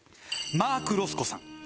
マーク・ロスコさん。